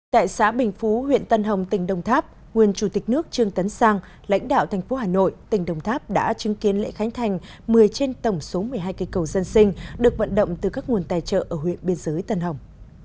tại xã bình phú huyện tân hồng tỉnh đồng tháp nguyên chủ tịch nước trương tấn sang lãnh đạo thành phố hà nội tỉnh đồng tháp đã chứng kiến lễ khánh thành một mươi trên tổng số một mươi hai cây cầu dân sinh được vận động từ các nguồn tài trợ ở huyện biên giới tân hồng